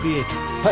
はい。